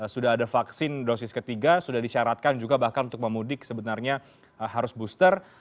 sudah ada vaksin dosis ketiga sudah disyaratkan juga bahkan untuk memudik sebenarnya harus booster